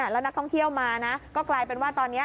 แล้วนักท่องเที่ยวมานะก็กลายเป็นว่าตอนนี้